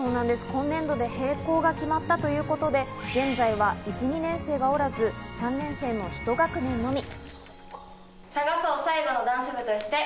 今年度で閉校が決まったということで現在は１、２年生がおらず、３年生の１学年のみ。